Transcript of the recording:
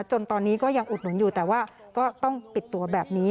จนตอนนี้ก็ยังอุดหนุนอยู่แต่ว่าก็ต้องปิดตัวแบบนี้